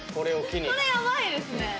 これやばいですね。